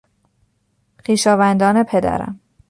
خویشاوندان پدرم